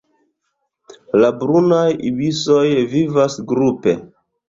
La Brunaj ibisoj vivas grupe.